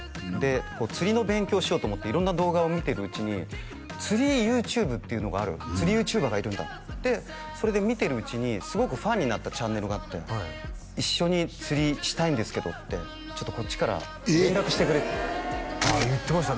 釣りの勉強をしようと思って色んな動画を見てるうちに釣りＹｏｕＴｕｂｅっていうのがある釣りＹｏｕＴｕｂｅｒがいるんだでそれで見てるうちにすごくファンになったチャンネルがあって「一緒に釣りしたいんですけど」ってちょっとこっちから連絡してくれ言ってました